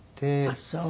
あっそう。